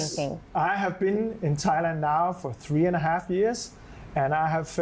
มีใครอยู่ที่ไทยใช่ผมอยู่ไทย๓ปีแล้ว